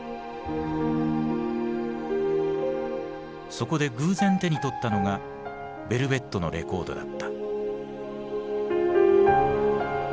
そこで偶然手に取ったのがヴェルヴェットのレコードだった。